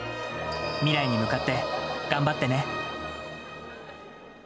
未来に向かって頑張ってね。